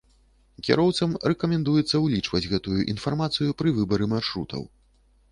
Кіроўцам рэкамендуецца ўлічваць гэтую інфармацыю пры выбары маршрутаў.